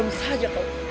kau mencari hatiku